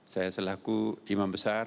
saya selaku imam besar